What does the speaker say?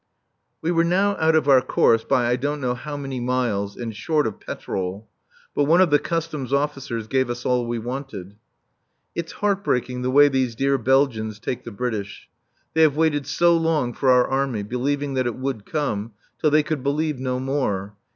We were now out of our course by I don't know how many miles and short of petrol. But one of the Customs officers gave us all we wanted. It's heart breaking the way these dear Belgians take the British. They have waited so long for our army, believing that it would come, till they could believe no more.